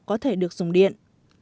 có thể được dùng điện